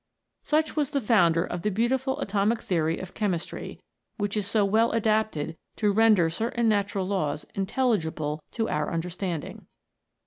Such was the founder of the beautiful atomic theory of Chemistry, which is so well adapted to render certain natural laws intelligible to our understanding.